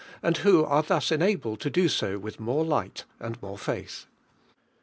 and who are thus enabled lu do so with more light and more faith.